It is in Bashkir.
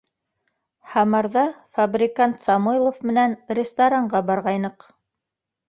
— Һамарҙа фабрикант Самойлов менән ресторанға барғайныҡ.